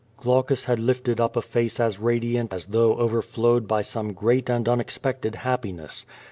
Glaucus had lifted up a face as radiant as though over flowed by some great and unexpected happiness.